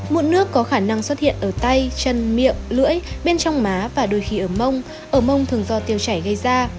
mụn nước có khả năng xuất hiện ở tay chân miệng lưỡi bên trong má và đôi khi ở mông ở mông thường do tiêu chảy gây ra